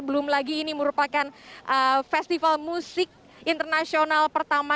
belum lagi ini merupakan festival musik internasional pertama